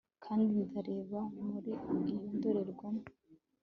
kandi ndareba muri iyo ndorerwamo